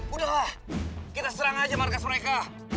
udah lah kita serang aja markas mereka